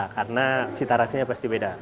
karena cita rasinya pasti beda